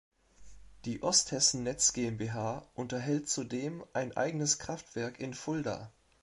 Die Osthessen Netz GmbH unterhält zudem ein eigenes Kraftwerk in Fulda.